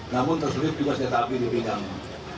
namun tersulit juga setiap api dipindahkan